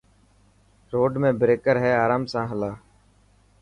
روڊ ميڻ بريڪر هي آرام سان هل.